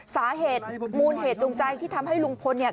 สาเหตุมูลเหตุจูงใจที่ทำให้ลุงพลเนี่ย